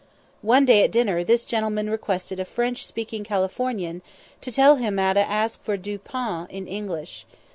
One day at dinner this gentleman requested a French speaking Californian to tell him how to ask for du pain in English.